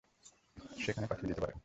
সেখানে পাঠিয়ে দিতে পারেন।